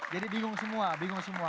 jadi bingung semua bingung semua